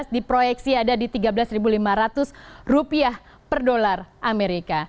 di proyeksi ada di rp tiga belas lima ratus per dolar amerika